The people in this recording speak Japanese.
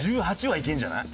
１８はいけるんじゃない？